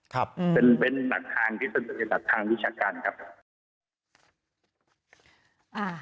เป็นหนักทางที่เป็นหนักทางวิชาการครับ